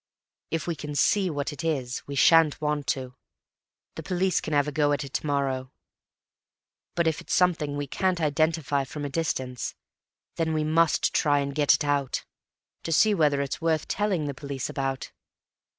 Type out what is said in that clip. "If we can see what it is, we shan't want to. The police can have a go at it to morrow. But if it's something we can't identify from a distance, then we must try and get it out. To see whether it's worth telling the police about."